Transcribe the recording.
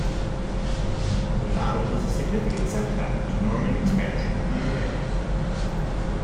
The battle was a significant setback to Norman expansion in Wales.